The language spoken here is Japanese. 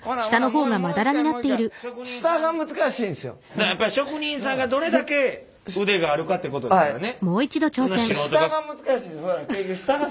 だからやっぱり職人さんがどれだけ腕があるかってことですよね。